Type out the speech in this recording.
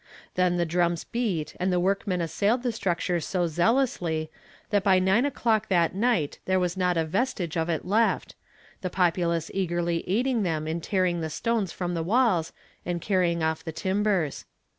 Then the drums beat and the work men assailed the structure so zealously that by nine o'clock that night there was not a vestige of it left, the populace eagerly aiding them in tearing the stones from the walls and carrying off the timbers.